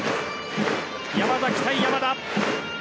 山崎対山田。